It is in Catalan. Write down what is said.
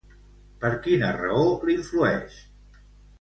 Per quina raó l'influeix?